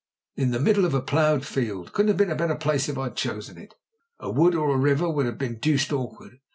"In the middle of a ploughed field. Couldn't have been a better place if I'd chosen it. A wood or a river would have been deuced awkward.